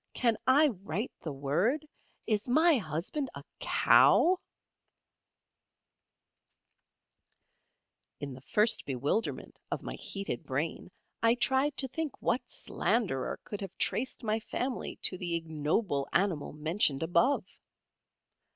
Can I write the word! Is my husband a Cow?" [Illustration: "SEWN UP IN SEVERAL PLACES."] In the first bewilderment of my heated brain I tried to think what slanderer could have traced my family to the ignoble animal mentioned above.